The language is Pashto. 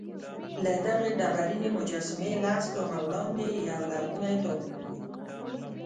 له دغه ډبرینې مجسمې لس ګامه وړاندې یولرغونی تابوت و.